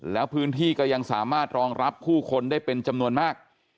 แล้วพื้นที่ก็ยังสามารถรองรับผู้คนได้เป็นจำนวนมาก